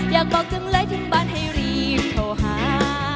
อยากบอกจังเลยถึงบ้านให้รีบโทรหา